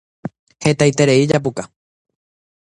Hetaiterei japuka.